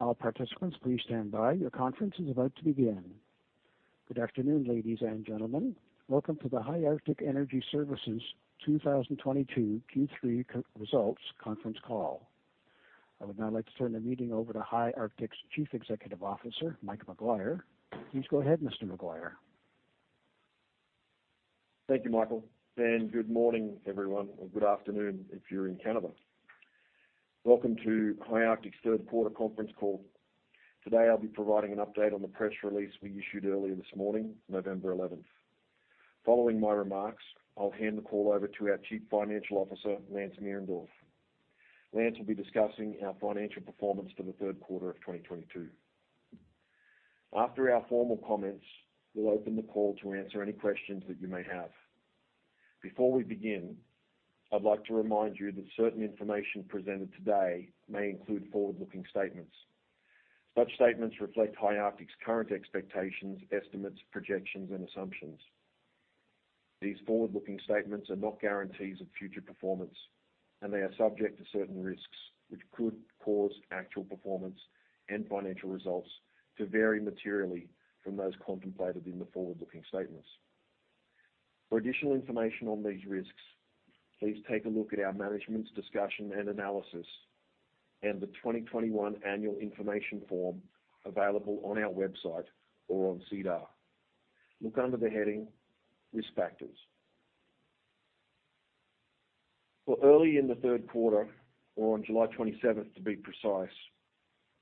All participants, please stand by. Your conference is about to begin. Good afternoon, ladies and gentlemen. Welcome to the High Arctic Energy Services 2022 Q3 results conference call. I would now like to turn the meeting over to High Arctic's Chief Executive Officer, Mike McGuire. Please go ahead, Mr. McGuire. Thank you, Michael, and good morning, everyone, or good afternoon if you're in Canada. Welcome to High Arctic's third quarter conference call. Today, I'll be providing an update on the press release we issued earlier this morning, November eleventh. Following my remarks, I'll hand the call over to our Chief Financial Officer, Lance Mierendorf. Lance will be discussing our financial performance for the third quarter of 2022. After our formal comments, we'll open the call to answer any questions that you may have. Before we begin, I'd like to remind you that certain information presented today may include forward-looking statements. Such statements reflect High Arctic's current expectations, estimates, projections, and assumptions. These forward-looking statements are not guarantees of future performance, and they are subject to certain risks which could cause actual performance and financial results to vary materially from those contemplated in the forward-looking statements. For additional information on these risks, please take a look at our management's discussion and analysis and the 2021 annual information form available on our website or on SEDAR. Look under the heading Risk Factors. Well, early in the third quarter, or on July 27 to be precise,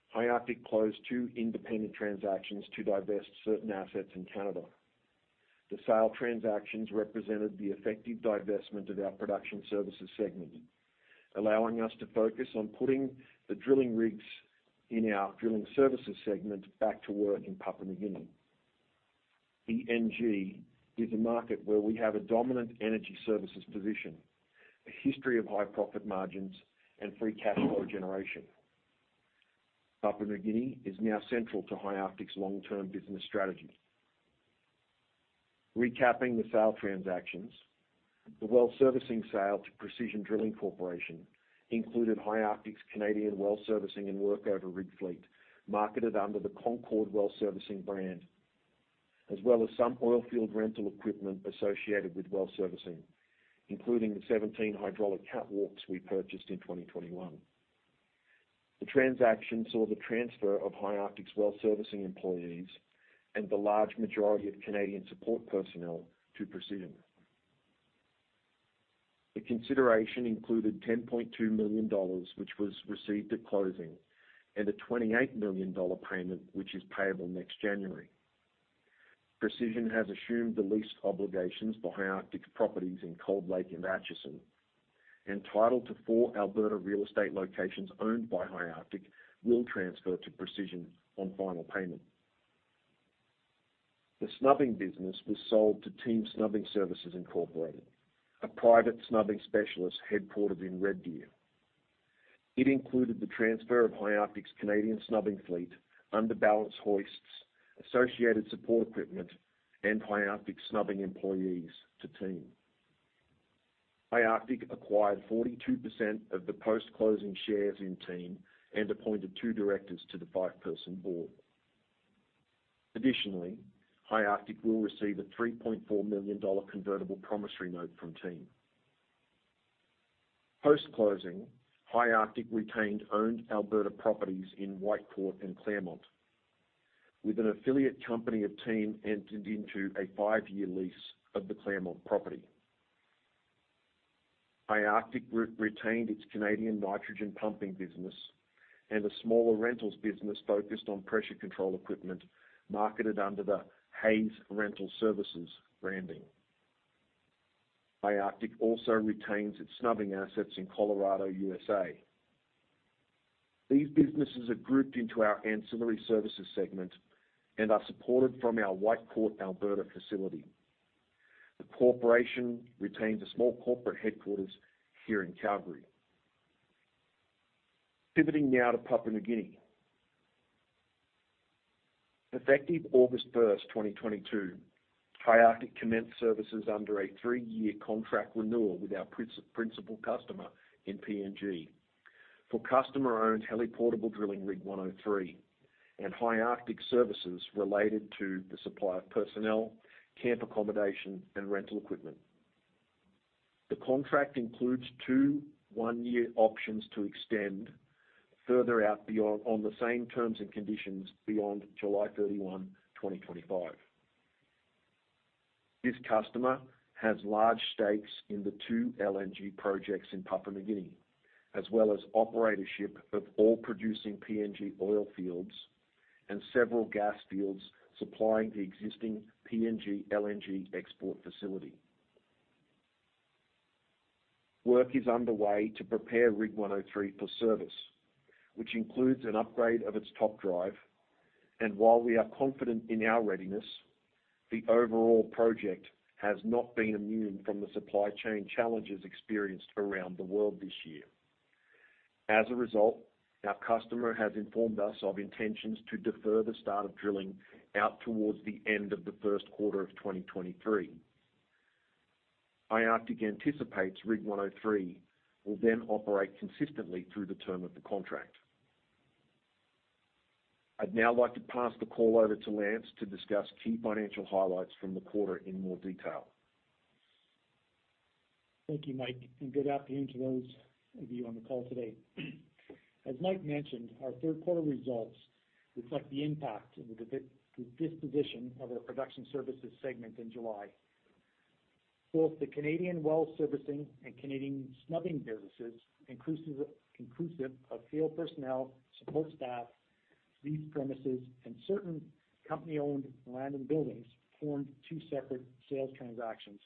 High Arctic closed two independent transactions to divest certain assets in Canada. The sale transactions represented the effective divestment of our Production Services segment, allowing us to focus on putting the drilling rigs in our Drilling Services segment back to work in Papua New Guinea. PNG is a market where we have a dominant energy services position, a history of high profit margins, and free cash flow generation. Papua New Guinea is now central to High Arctic's long-term business strategy. Recapping the sale transactions, the well servicing sale to Precision Drilling Corporation included High Arctic's Canadian well servicing and workover rig fleet, marketed under the Concord Well Servicing brand, as well as some oil field rental equipment associated with well servicing, including the 17 hydraulic catwalks we purchased in 2021. The transaction saw the transfer of High Arctic's well servicing employees and the large majority of Canadian support personnel to Precision. The consideration included 10.2 million dollars, which was received at closing, and a 28 million dollar payment, which is payable next January. Precision has assumed the lease obligations for High Arctic's properties in Cold Lake and Acheson. Title to four Alberta real estate locations owned by High Arctic will transfer to Precision on final payment. The snubbing business was sold to Team Snubbing Services Inc., a private snubbing specialist headquartered in Red Deer. It included the transfer of High Arctic's Canadian snubbing fleet under balance hoists, associated support equipment, and High Arctic snubbing employees to Team. High Arctic acquired 42% of the post-closing shares in Team and appointed two directors to the five-person board. Additionally, High Arctic will receive a 3.4 million dollar convertible promissory note from Team. Post-closing, High Arctic retained owned Alberta properties in Whitecourt and Clairmont, with an affiliate company of Team entered into a five-year lease of the Clairmont property. High Arctic retained its Canadian nitrogen pumping business and a smaller rentals business focused on pressure control equipment marketed under the Hays Rental Services branding. High Arctic also retains its snubbing assets in Colorado, USA. These businesses are grouped into our ancillary services segment and are supported from our Whitecourt, Alberta facility. The corporation retains a small corporate headquarters here in Calgary. Pivoting now to Papua New Guinea. Effective August 1, 2022, High Arctic commenced services under a three-year contract renewal with our principal customer in PNG for customer-owned heli-portable drilling Rig 103 and High Arctic services related to the supply of personnel, camp accommodation, and rental equipment. The contract includes two one-year options to extend further out beyond, on the same terms and conditions, beyond July 31, 2025. This customer has large stakes in the two LNG projects in Papua New Guinea, as well as operatorship of all producing PNG oil fields and several gas fields supplying the existing PNG LNG export facility. Work is underway to prepare Rig 103 for service, which includes an upgrade of its top drive. While we are confident in our readiness, the overall project has not been immune from the supply chain challenges experienced around the world this year. As a result, our customer has informed us of intentions to defer the start of drilling out towards the end of the first quarter of 2023. High Arctic anticipates Rig 103 will then operate consistently through the term of the contract. I'd now like to pass the call over to Lance to discuss key financial highlights from the quarter in more detail. Thank you, Mike, and good afternoon to those of you on the call today. As Mike mentioned, our third quarter results reflect the impact of the disposition of our Production Services segment in July. Both the Canadian well servicing and Canadian snubbing businesses, inclusive of field personnel, support staff, lease premises, and certain company-owned land and buildings, formed two separate sales transactions.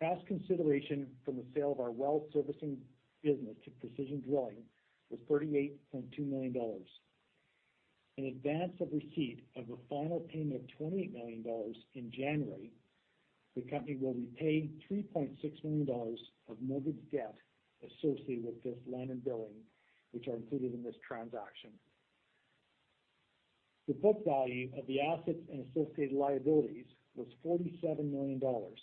Past consideration from the sale of our well servicing business to Precision Drilling was 38.2 million dollars. In advance of receipt of a final payment of 28 million dollars in January, the company will repay 3.6 million dollars of mortgage debt associated with this land and building, which are included in this transaction. The book value of the assets and associated liabilities was 47 million dollars,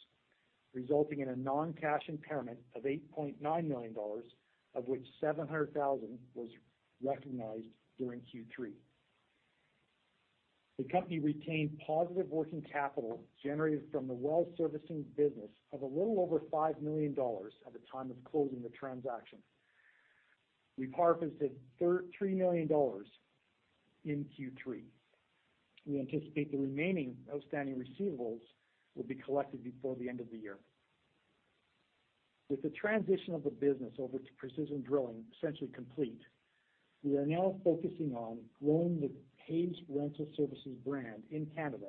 resulting in a non-cash impairment of 8.9 million dollars, of which 700,000 was recognized during Q3. The company retained positive working capital generated from the well servicing business of a little over 5 million dollars at the time of closing the transaction. We parked this 3 million dollars in Q3. We anticipate the remaining outstanding receivables will be collected before the end of the year. With the transition of the business over to Precision Drilling essentially complete, we are now focusing on growing the Hays Rental Services brand in Canada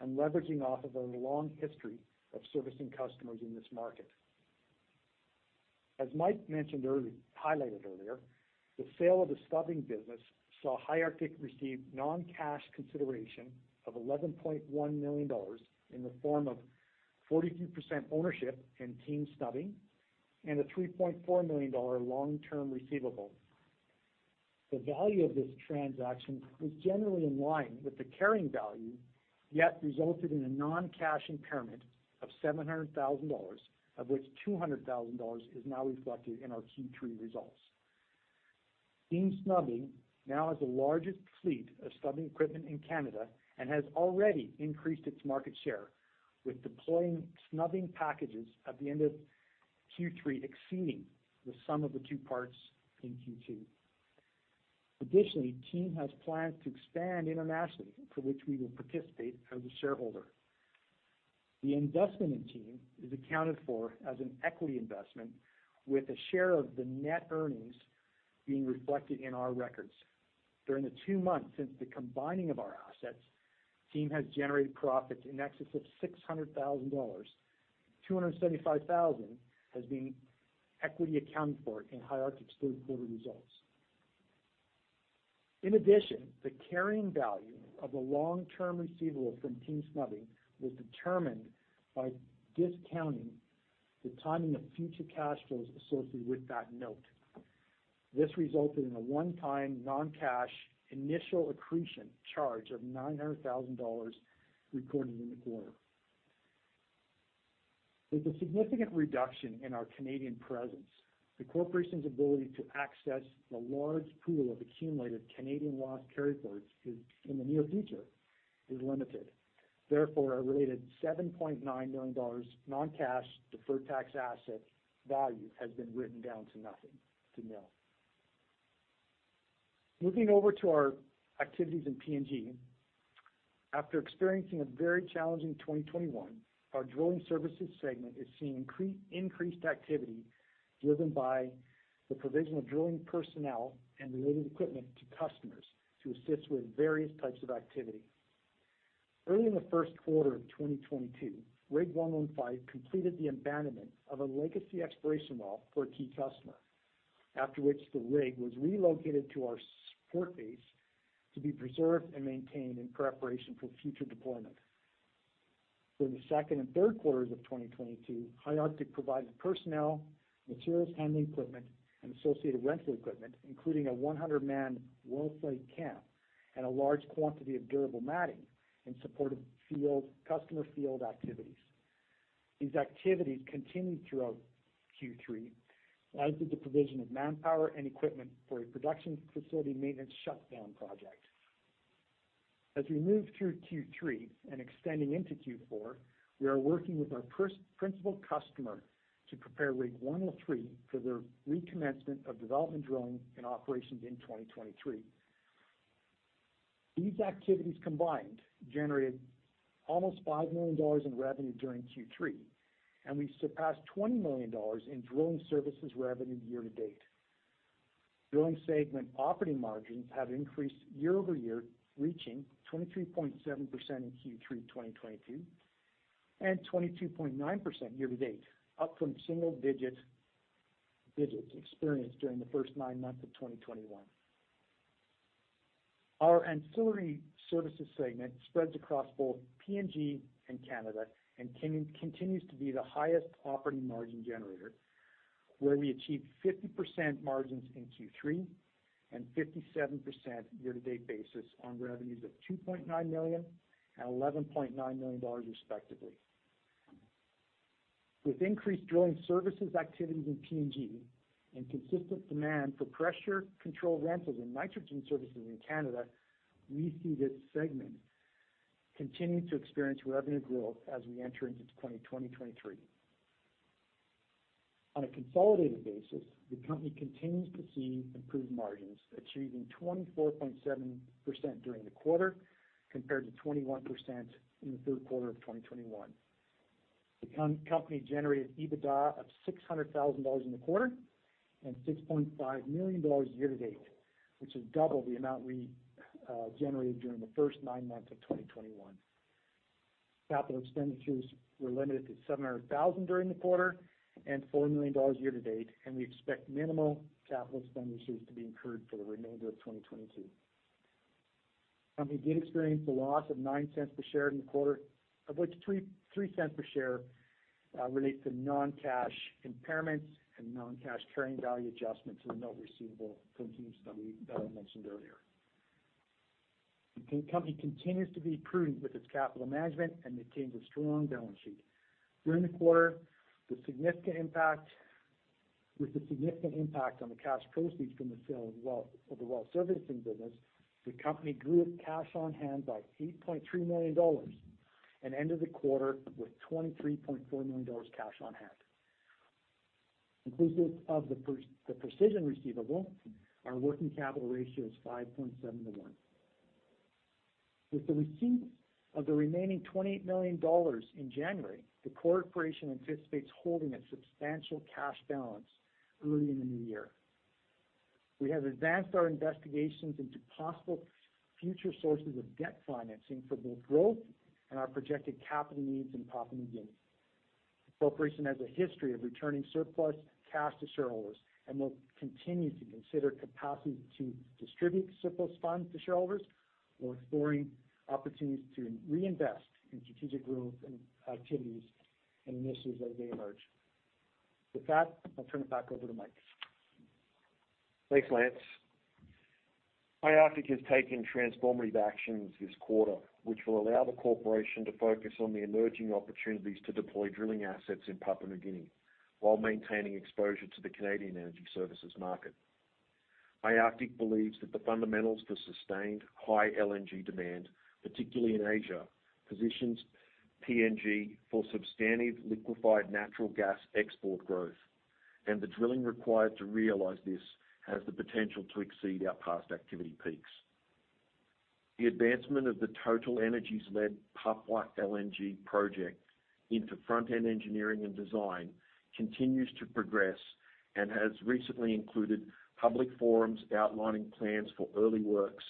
and leveraging off of our long history of servicing customers in this market. As Mike highlighted earlier, the sale of the snubbing business saw High Arctic receive non-cash consideration of 11.1 million dollars in the form of 42% ownership in Team Snubbing Services Inc. and a 3.4 million dollar long-term receivable. The value of this transaction was generally in line with the carrying value, yet resulted in a non-cash impairment of 700,000 dollars, of which 200,000 dollars is now reflected in our Q3 results. Team Snubbing Services Inc. now has the largest fleet of snubbing equipment in Canada and has already increased its market share with deploying snubbing packages at the end of Q3 exceeding the sum of the two parts in Q2. Additionally, Team Snubbing Services Inc. has plans to expand internationally, for which we will participate as a shareholder. The investment in Team is accounted for as an equity investment, with a share of the net earnings being reflected in our records. During the two months since the combining of our assets, Team has generated profits in excess of 600,000 dollars. 275,000 has been equity accounted for in High Arctic's third quarter results. In addition, the carrying value of the long-term receivable from Team Snubbing was determined by discounting the timing of future cash flows associated with that note. This resulted in a one-time non-cash initial accretion charge of 900,000 dollars recorded in the quarter. With a significant reduction in our Canadian presence, the corporation's ability to access the large pool of accumulated Canadian loss carryforwards in the near future is limited. Therefore, a related 7.9 million dollars non-cash deferred tax asset value has been written down to nothing, to nil. Moving over to our activities in PNG. After experiencing a very challenging 2021, our Drilling Services segment is seeing increased activity driven by the provision of drilling personnel and related equipment to customers to assist with various types of activity. Early in the first quarter of 2022, Rig 115 completed the abandonment of a legacy exploration well for a key customer. After which the rig was relocated to our support base to be preserved and maintained in preparation for future deployment. For the second and third quarters of 2022, High Arctic provided personnel, materials handling equipment, and associated rental equipment, including a 100-man well site camp and a large quantity of durable matting in support of customer field activities. These activities continued throughout Q3, as did the provision of manpower and equipment for a production facility maintenance shutdown project. As we move through Q3 and extending into Q4, we are working with our principal customer to prepare Rig 103 for their recommencement of development drilling and operations in 2023. These activities combined generated almost 5 million dollars in revenue during Q3, and we surpassed 20 million dollars in drilling services revenue year to date. Drilling segment operating margins have increased year-over-year, reaching 23.7% in Q3 2022 and 22.9% year to date, up from single digits experienced during the first nine months of 2021. Our Ancillary Services segment spreads across both PNG and Canada and continues to be the highest operating margin generator. Where we achieved 50% margins in Q3 and 57% year-to-date basis on revenues of 2.9 million and 11.9 million dollars respectively. With increased Drilling Services activities in PNG and consistent demand for pressure control rentals and nitrogen services in Canada, we see this segment continuing to experience revenue growth as we enter into 2023. On a consolidated basis, the company continues to see improved margins, achieving 24.7% during the quarter compared to 21% in the third quarter of 2021. The company generated EBITDA of 600,000 dollars in the quarter and 6.5 million dollars year-to-date, which is double the amount we generated during the first nine months of 2021. Capital expenditures were limited to 700,000 during the quarter and 4 million dollars year-to-date, and we expect minimal capital expenditures to be incurred for the remainder of 2022. The company did experience a loss of 0.09 per share in the quarter, of which 0.03 per share relates to non-cash impairments and non-cash carrying value adjustments in the note receivable from Team Snubbing Services that I mentioned earlier. The company continues to be prudent with its capital management and maintains a strong balance sheet. During the quarter, with the significant impact on the cash proceeds from the sale of the Well Servicing business, the company grew its cash on hand by 8.3 million dollars and ended the quarter with 23.4 million dollars cash on hand. Inclusive of the Precision receivable, our working capital ratio is 5.7 to one. With the receipt of the remaining 28 million dollars in January, the corporation anticipates holding a substantial cash balance early in the new year. We have advanced our investigations into possible future sources of debt financing for both growth and our projected capital needs in Papua New Guinea. The corporation has a history of returning surplus cash to shareholders and will continue to consider capacity to distribute surplus funds to shareholders while exploring opportunities to reinvest in strategic growth and activities and initiatives as they emerge. With that, I'll turn it back over to Mike. Thanks, Lance. High Arctic has taken transformative actions this quarter, which will allow the corporation to focus on the emerging opportunities to deploy drilling assets in Papua New Guinea while maintaining exposure to the Canadian energy services market. High Arctic believes that the fundamentals for sustained high LNG demand, particularly in Asia, positions PNG for substantive liquefied natural gas export growth, and the drilling required to realize this has the potential to exceed our past activity peaks. The advancement of the TotalEnergies-led Papua LNG project into front-end engineering and design continues to progress and has recently included public forums outlining plans for early works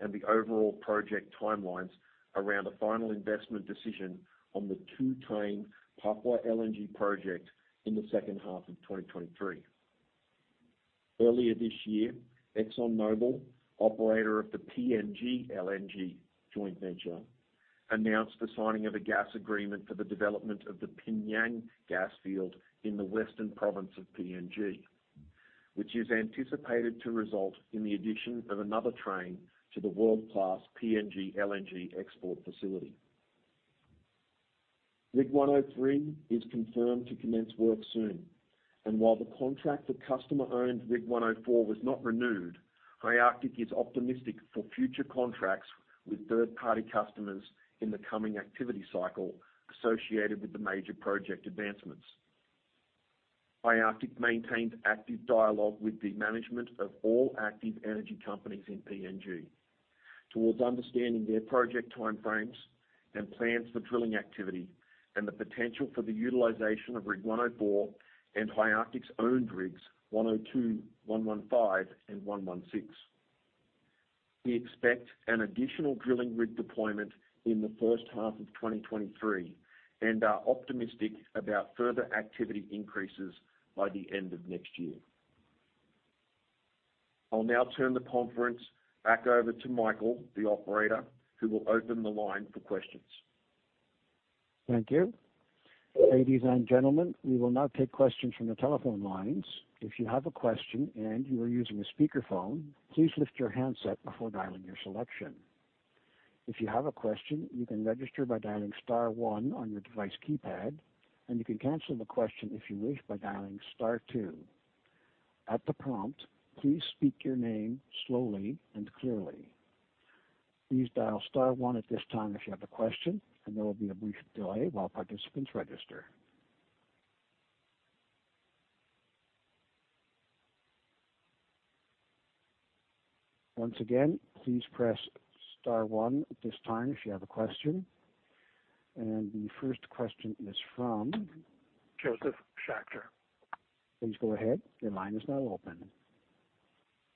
and the overall project timelines around a final investment decision on the two-train Papua LNG project in the second half of 2023. Earlier this year, ExxonMobil, operator of the PNG LNG joint venture, announced the signing of a gas agreement for the development of the Pnyang gas field in the western province of PNG, which is anticipated to result in the addition of another train to the world-class PNG LNG export facility. Rig 103 is confirmed to commence work soon. While the contract of customer-owned Rig 104 was not renewed, High Arctic is optimistic for future contracts with third-party customers in the coming activity cycle associated with the major project advancements. High Arctic maintains active dialogue with the management of all active energy companies in PNG towards understanding their project timeframes and plans for drilling activity and the potential for the utilization of Rig 104 and High Arctic's owned rigs 102, 115, and 116. We expect an additional drilling rig deployment in the first half of 2023 and are optimistic about further activity increases by the end of next year. I'll now turn the conference back over to Michael, the operator, who will open the line for questions. Thank you. Ladies and gentlemen, we will now take questions from the telephone lines. If you have a question and you are using a speakerphone, please lift your handset before dialing your selection. If you have a question, you can register by dialing star one on your device keypad, and you can cancel the question if you wish by dialing star two. At the prompt, please speak your name slowly and clearly. Please dial star one at this time if you have a question, and there will be a brief delay while participants register. Once again, please press star one at this time if you have a question. The first question is from Josef Schachter. Please go ahead. Your line is now open.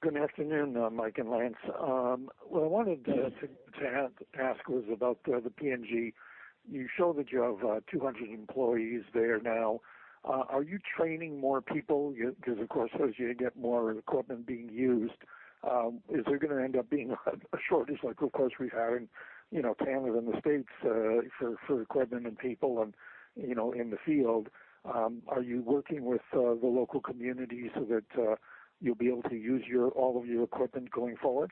Good afternoon, Mike and Lance. What I wanted to ask was about the PNG. You show that you have 200 employees there now. Are you training more people? Because, of course, as you get more equipment being used, is there gonna end up being a shortage like, of course, we're having, you know, Canada and the States for equipment and people and, you know, in the field. Are you working with the local community so that you'll be able to use all of your equipment going forward?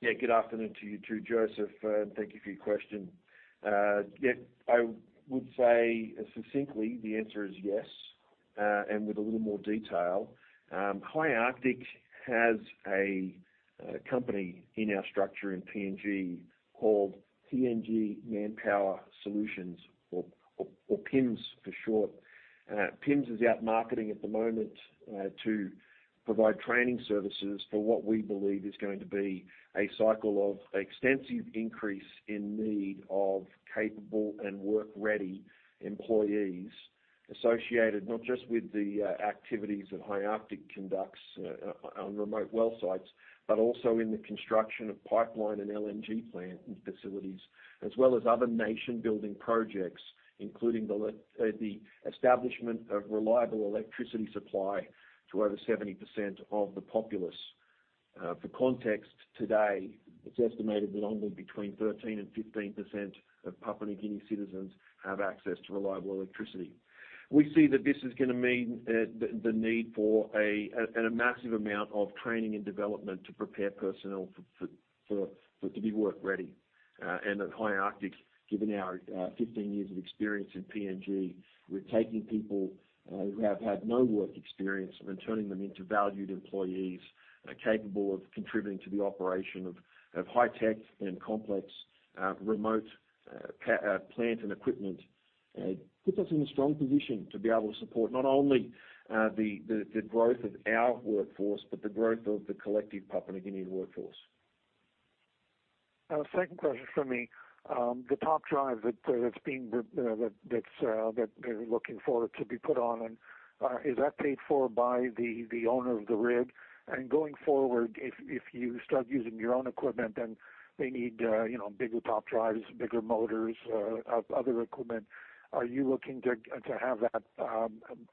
Yeah. Good afternoon to you too, Josef. Thank you for your question. Yeah, I would say succinctly the answer is yes. With a little more detail, High Arctic has a company in our structure in PNG called PNG Manpower Solutions or PIMS for short. PIMS is out marketing at the moment to provide training services for what we believe is going to be a cycle of extensive increase in need of capable and work-ready employees associated not just with the activities that High Arctic conducts on remote well sites, but also in the construction of pipeline and LNG plant and facilities. As well as other nation-building projects, including the establishment of reliable electricity supply to over 70% of the populace. For context, today, it's estimated that only between 13% and 15% of Papua New Guinea citizens have access to reliable electricity. We see that this is gonna mean the need for a massive amount of training and development to prepare personnel for to be work ready. At High Arctic, given our 15 years of experience in PNG, we're taking people who have had no work experience and then turning them into valued employees capable of contributing to the operation of high-tech and complex remote plant and equipment. It puts us in a strong position to be able to support not only the growth of our workforce, but the growth of the collective Papua New Guinea workforce. Second question from me. The top drive, you know, that they're looking for to be put on, is that paid for by the owner of the rig? Going forward, if you start using your own equipment, then they need, you know, bigger top drives, bigger motors, other equipment. Are you looking to have that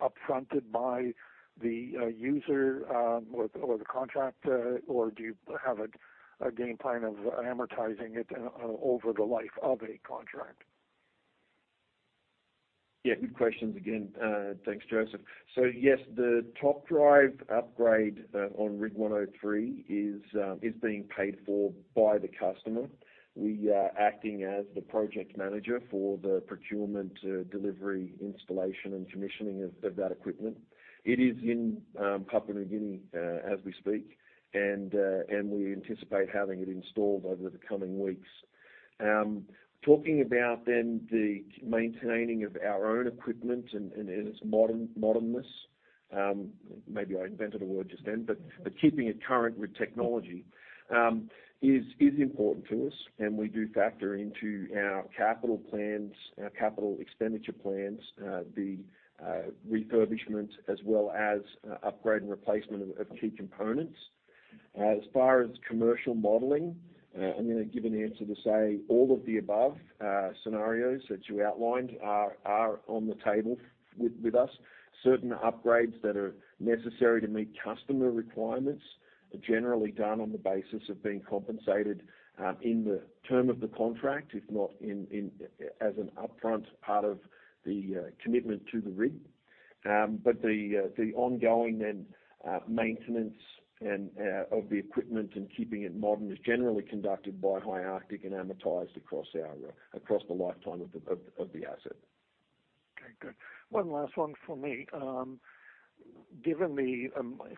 up-fronted by the user or the contractor? Or do you have a game plan of amortizing it over the life of a contract? Yeah, good questions again. Thanks, Josef. Yes, the top drive upgrade on Rig 103 is being paid for by the customer. We are acting as the project manager for the procurement, delivery, installation, and commissioning of that equipment. It is in Papua New Guinea as we speak, and we anticipate having it installed over the coming weeks. Talking about then the maintaining of our own equipment and its modernness, maybe I invented a word just then, but keeping it current with technology is important to us, and we do factor into our capital plans, our capital expenditure plans, the refurbishment as well as upgrade and replacement of key components. As far as commercial modeling, I'm gonna give an answer to say all of the above scenarios that you outlined are on the table with us. Certain upgrades that are necessary to meet customer requirements are generally done on the basis of being compensated in the term of the contract, if not in cash as an upfront part of the commitment to the rig. The ongoing maintenance of the equipment and keeping it modern is generally conducted by High Arctic and amortized across the lifetime of the asset. Okay, good. One last one for me. Given the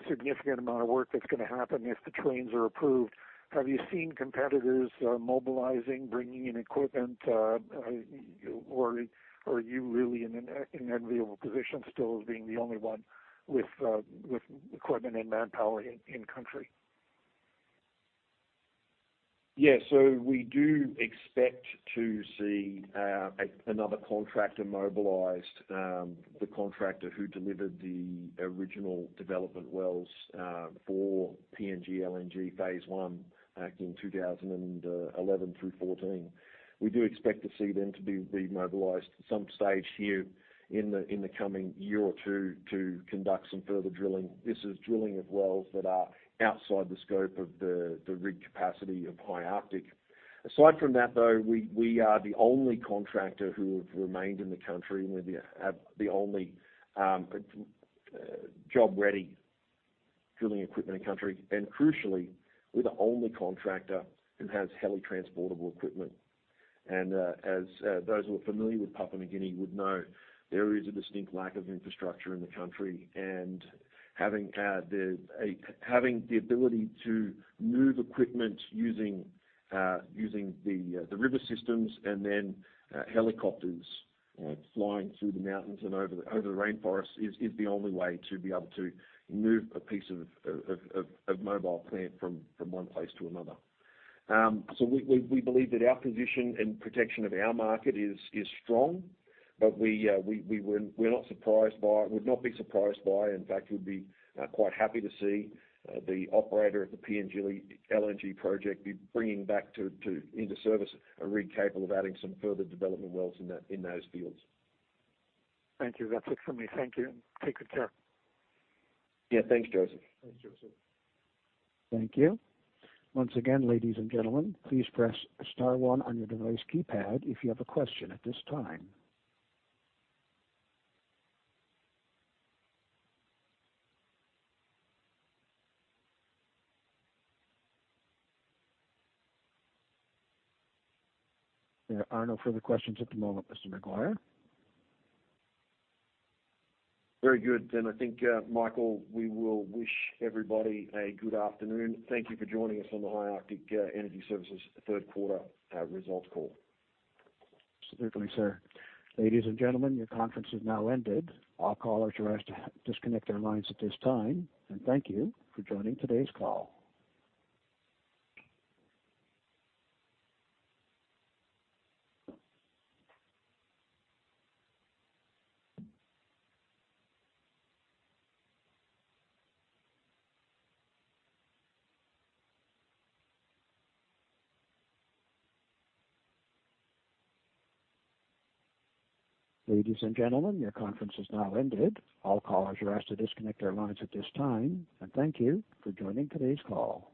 significant amount of work that's gonna happen if the trains are approved, have you seen competitors mobilizing, bringing in equipment? Or are you really in an enviable position still as being the only one with equipment and manpower in country? Yeah. We do expect to see another contractor mobilized. The contractor who delivered the original development wells for PNG LNG phase one back in 2011 through 2014. We do expect to see them to be remobilized at some stage here in the coming year or two to conduct some further drilling. This is drilling of wells that are outside the scope of the rig capacity of High Arctic. Aside from that though, we are the only contractor who have remained in the country and have the only job-ready drilling equipment in country. As those who are familiar with Papua New Guinea would know, there is a distinct lack of infrastructure in the country. Having the ability to move equipment using the river systems and then helicopters flying through the mountains and over the rainforest is the only way to be able to move a piece of mobile plant from one place to another. We believe that our position and protection of our market is strong. We would not be surprised by, in fact, we'd be quite happy to see the operator of the PNG LNG project be bringing back into service a rig capable of adding some further development wells in those fields. Thank you. That's it for me. Thank you. Take good care. Yeah. Thanks, Josef. Thanks, Josef. Thank you. Once again, ladies and gentlemen, please press star one on your device keypad if you have a question at this time. There are no further questions at the moment, Mr. McGuire. Very good. I think, Michael, we will wish everybody a good afternoon. Thank you for joining us on the High Arctic Energy Services third quarter results call. Certainly, sir. Ladies and gentlemen, your conference has now ended. All callers are asked to disconnect their lines at this time, and thank you for joining today's call. Ladies and gentlemen, your conference has now ended. All callers are asked to disconnect their lines at this time, and thank you for joining today's call.